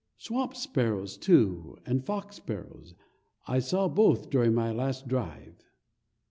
Swamp sparrows, too, and fox sparrows I saw both during my last drive.